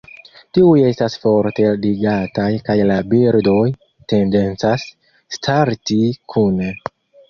Tiuj estas forte ligataj kaj la birdoj tendencas starti kune.